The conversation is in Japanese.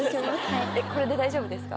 はいこれで大丈夫ですか？